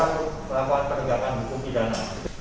untuk melakukan penegakan hukum pidana